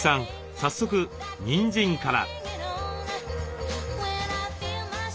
早速ニンジンから。